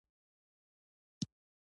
ډېر تفصیل له موضوع څخه لیرې کوي.